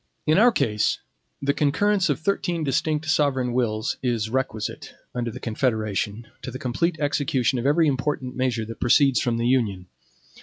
In our case, the concurrence of thirteen distinct sovereign wills is requisite, under the Confederation, to the complete execution of every important measure that proceeds from the Union.